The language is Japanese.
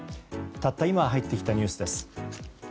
たった今入ってきたニュースです。